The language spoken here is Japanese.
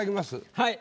はい。